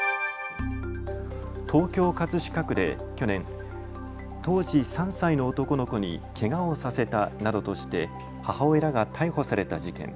東京葛飾区で去年、当時３歳の男の子にけがをさせたなどとして母親らが逮捕された事件。